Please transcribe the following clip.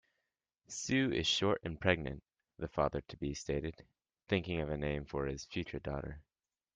"Sue is short and pregnant", the father-to-be stated, thinking of a name for his future daughter.